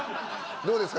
どうですか？